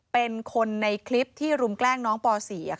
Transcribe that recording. เป็นคนในคลิปที่รุมแกล้งน้องป๔